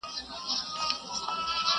چي به د اور له پاسه اور راځي٫